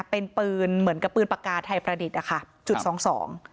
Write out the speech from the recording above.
เป็นปืนเหมือนกับปืนปากกาไทยประดิษฐ์อ่ะค่ะจุดสองสอง